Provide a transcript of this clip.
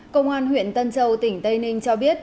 công an huyện tân châu tỉnh tây ninh cho biết